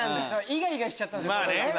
イガイガしちゃったんすよ。